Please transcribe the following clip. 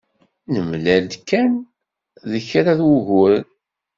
Nemlal-d kan ed kra n wuguren.